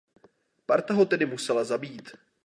Parta ho tedy musela zabít.